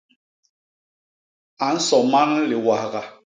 A nso man liwahga.